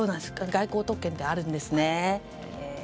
外交特権であるんですね。